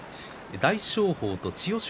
大翔鵬と千代翔